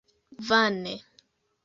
Vane.